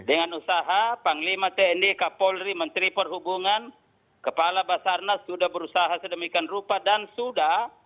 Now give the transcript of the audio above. dengan usaha panglima tni kapolri menteri perhubungan kepala basarnas sudah berusaha sedemikian rupa dan sudah